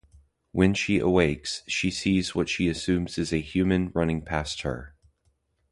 When she awakes, she sees what she assumes is a human, running past her.